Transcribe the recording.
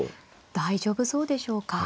大丈夫そうでしょうか。